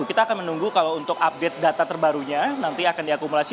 kita akan menunggu kalau untuk update data terbarunya nanti akan diakumulasi